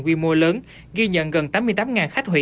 quy mô lớn ghi nhận gần tám mươi tám khách hủy